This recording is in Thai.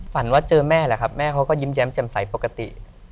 ฝันว่าเจอแม่แหละครับแม่เขาก็ยิ้มแย้มแจ่มใสปกติ